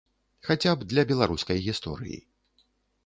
Хаця б для беларускай гісторыі.